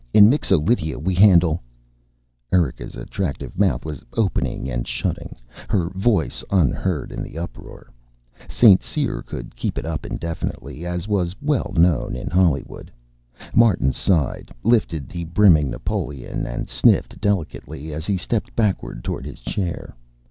In Mixo Lydia we handle " Erika's attractive mouth was opening and shutting, her voice unheard in the uproar. St. Cyr could keep it up indefinitely, as was well known in Hollywood. Martin sighed, lifted the brimming Napoleon and sniffed delicately as he stepped backward toward his chair.